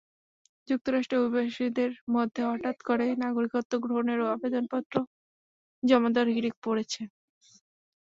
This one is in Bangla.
যুক্তরাষ্ট্রে অভিবাসীদের মধ্যে হঠাৎ করে নাগরিকত্ব গ্রহণের আবেদনপত্র জমা দেওয়ার হিড়িক পড়েছে।